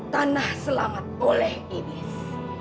tanah selamat boleh iblis